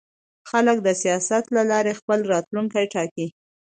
خلک د سیاست له لارې خپل راتلونکی ټاکي